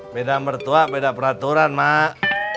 beda mertua beda peraturan mak